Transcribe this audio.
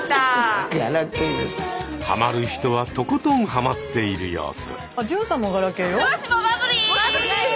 はまる人はとことんはまっている様子。